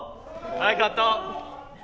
・はいカット。